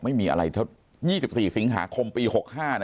ไม่มีอะไรเท่ายี่สิบสี่สิงหาคมปีหกห้านะ